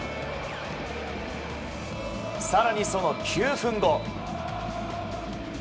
更にその９分後。